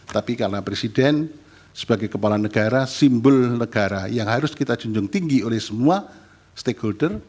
tapi karena presiden sebagai kepala negara simbol negara yang harus kita junjung tinggi oleh semua stakeholder